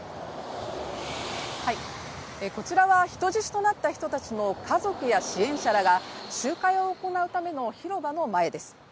こちらは人質となった人たちの家族や支援者らが集会を行うための広場の前です。